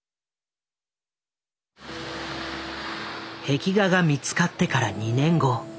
壁画が見つかってから２年後。